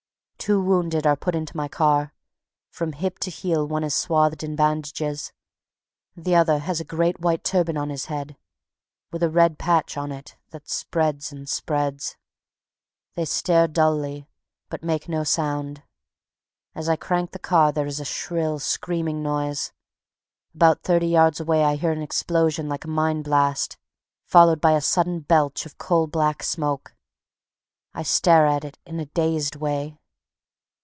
The two wounded are put into my car. From hip to heel one is swathed in bandages; the other has a great white turban on his head, with a red patch on it that spreads and spreads. They stare dully, but make no sound. As I crank the car there is a shrill screaming noise. ... About thirty yards away I hear an explosion like a mine blast, followed by a sudden belch of coal black smoke. I stare at it in a dazed way.